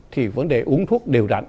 thì vấn đề uống thuốc đều đặn